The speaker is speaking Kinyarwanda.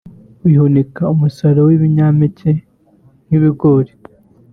bihunika umusaruro w’ibinyampeke nk’ibigori